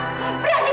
ibu aku tidak perasaan